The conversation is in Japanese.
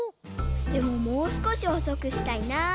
でももうすこしほそくしたいな。